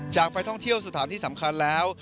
ไปท่องเที่ยวสถานที่สำคัญแล้ว